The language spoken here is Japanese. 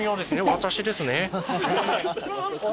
私ですね。